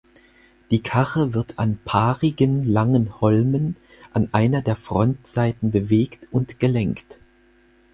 Die Karre wird an paarigen langen Holmen an einer der Frontseiten bewegt und gelenkt.